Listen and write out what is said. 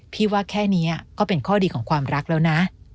พี่ว่าแค่นี้ก็เป็นข้อดีของความรักแล้วนะ